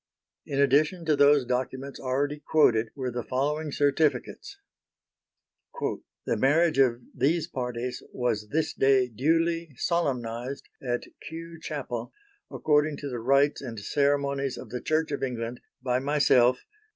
In addition to those documents already quoted were the following certificates: "The marriage of these parties was this day duly solemnized at Kew Chapel, according to the rites and ceremonies of the Church of England, by myself.